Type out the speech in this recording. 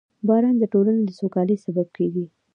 • باران د ټولنې د سوکالۍ سبب کېږي.